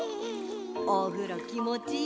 おふろきもちいいもんね。